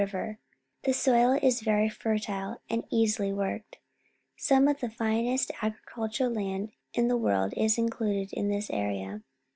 River The soil is very fertile and easily worked. Some of the finest agricultural land in the world is mcluded in this area.